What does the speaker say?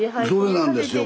それなんですよ。